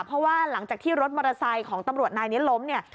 เพราะว่าหลังจากที่รถมอเตอร์ไซค์ของตำรวจนายนี้ล้มเนี่ย